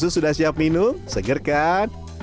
susu sudah siap minum seger kan